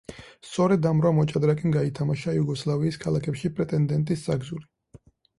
სწორედ ამ რვა მოჭადრაკემ გაითამაშა იუგოსლავიის ქალაქებში პრეტენდენტის საგზური.